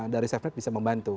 dari safenet bisa membantu